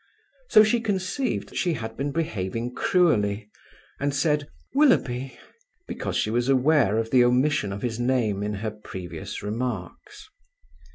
So she conceived she had been behaving cruelly, and said, "Willoughby"; because she was aware of the omission of his name in her previous remarks.